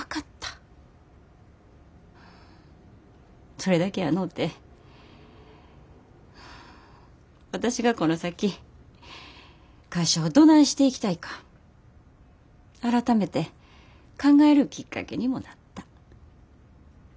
それだけやのうて私がこの先会社をどないしていきたいか改めて考えるきっかけにもなった。